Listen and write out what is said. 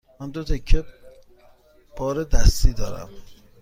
من دو تکه بار دستی دارم.